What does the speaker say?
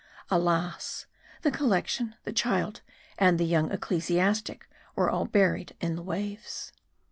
Alas! the collection, the child and the young ecclesiastic were all buried in the waves.